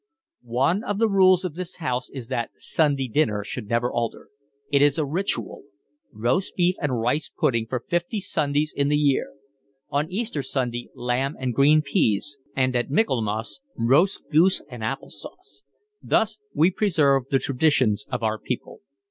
"One of the rules of this house is that Sunday dinner should never alter. It is a ritual. Roast beef and rice pudding for fifty Sundays in the year. On Easter Sunday lamb and green peas, and at Michaelmas roast goose and apple sauce. Thus we preserve the traditions of our people.